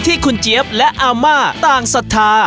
ที่คุณเจี๊ยบและอาม่าต่างศรัทธา